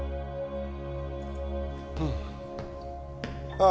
ああ